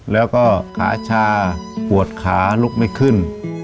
แล้วก็ขาชาปวดขาลุกไม่ขึ้น